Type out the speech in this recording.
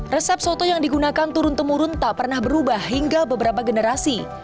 resep soto yang digunakan turun temurun tak pernah berubah hingga beberapa generasi